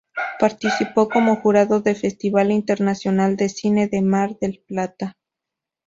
Participó como jurado de Festival Internacional de Cine de Mar del Plata.